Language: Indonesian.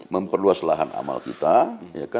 memperluas lahan amal kita